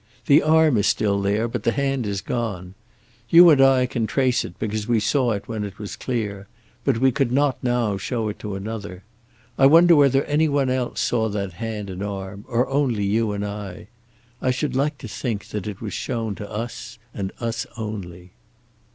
The arm is there still, but the hand is gone. You and I can trace it because we saw it when it was clear, but we could not now show it to another. I wonder whether any one else saw that hand and arm, or only you and I. I should like to think that it was shown to us, and us only."